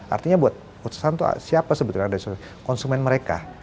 artinya buat perusahaan tuh siapa sebenarnya ada kira itu konsumen mereka